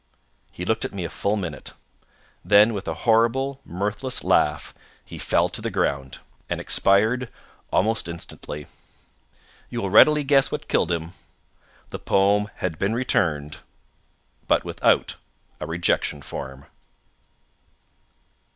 "He looked at me a full minute. Then with a horrible, mirthless laugh he fell to the ground, and expired almost instantly. You will readily guess what killed him. The poem had been returned, _but without a rejection form!